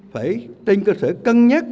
phải tranh cơ sở cân nhắc